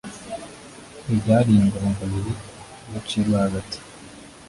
Ibyariye ingoma kabiri Idacibwa hagati,